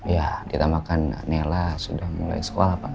ya ditamakan nella sudah mulai sekolah pak